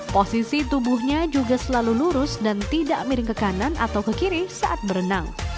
posisi tubuhnya juga selalu lurus dan tidak miring ke kanan atau ke kiri saat berenang